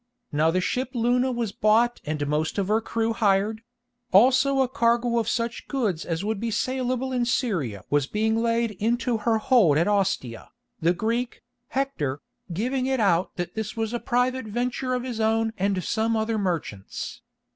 Now the ship Luna was bought and the most of her crew hired; also a cargo of such goods as would be salable in Syria was being laid into her hold at Ostia, the Greek, Hector, giving it out that this was a private venture of his own and some other merchants.